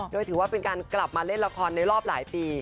โดยถือว่าเป็นการกลับมาเล่นละครในรอบหลายปี